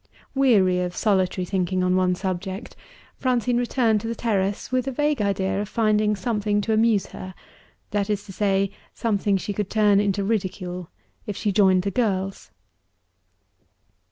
Weary of solitary thinking on one subject, Francine returned to the terrace with a vague idea of finding something to amuse her that is to say, something she could turn into ridicule if she joined the girls.